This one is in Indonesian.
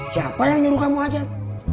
siapa yang nyuruh kamu ajar